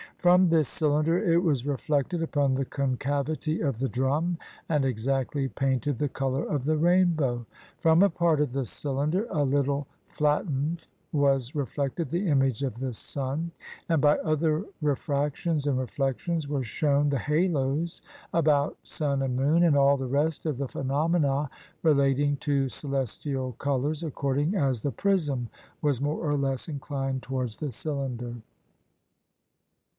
From this cylinder it was reflected upon the concavity of the drum and exactly painted the color of the rainbow. From a part of the cyHnder a little flat tened was reflected the image of the sun ; and by other refractions and reflections were shown the halos about sun and moon, and all the rest of the phenomena relating to celestial colors, according as the prism was more or less inclined towards the cyUnder.